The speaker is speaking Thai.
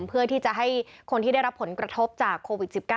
เพื่อที่จะให้คนที่ได้รับผลกระทบจากโควิด๑๙